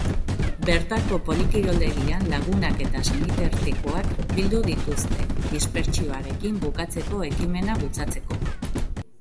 Bertako polikiroldegian lagunak eta senitartekoak bildu dituzte, dispertsioarekin bukatzeko ekimena bultzatzeko.